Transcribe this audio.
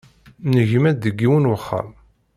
Negma-d deg yiwen uxxam